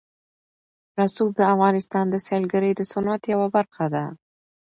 رسوب د افغانستان د سیلګرۍ د صنعت یوه برخه ده.